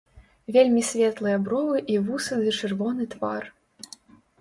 Вельмі светлыя бровы і вусы ды чырвоны твар.